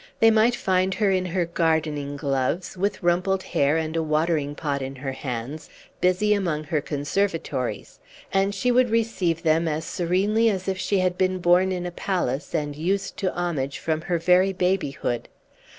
They might find her in her gardening gloves, with rumpled hair and a watering pot in her hands, busy among her conservatories; and she would receive them as serenely as if she had been born in a palace, and used to homage from her very babyhood.